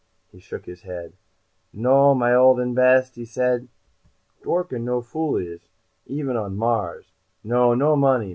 He shook his head. "No, my old and best," he said. "Dworken no fool is, even on Mars. No, no money.